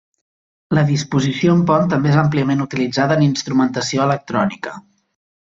La disposició en pont també és àmpliament utilitzada en instrumentació electrònica.